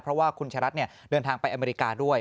เพราะว่าคุณฉรัตต์เนี่ยเดินทางไปอเมริกาด้วย